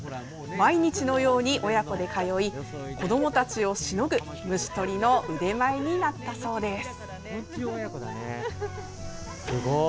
毎日のように親子で通い子どもたちをしのぐ虫捕りの腕前になったそうです。